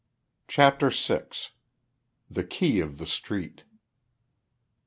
CHAPTER SIX. "THE KEY OF THE STREET."